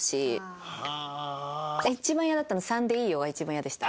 一番イヤだったの「３でいいよ」が一番イヤでした。